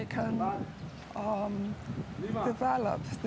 dan juga olimpiade